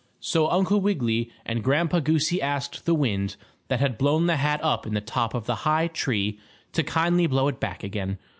So Uncle Wiggily and Grandpa Goosey asked the wind that had blown the hat up in the top of the high tree to kindly blow it back again.